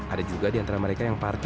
ada juga di antara mereka yang parkir